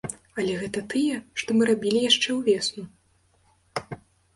Але гэта тыя, што мы рабілі яшчэ ўвесну.